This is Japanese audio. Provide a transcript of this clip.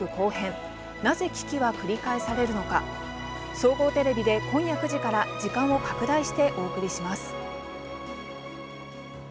総合テレビで今夜９時から時間を拡大してお送りします。